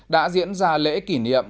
đã diễn ra lễ kỷ niệm